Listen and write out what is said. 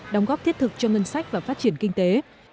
đóng góp thiết thực cho ngân sách và phát triển kinh tế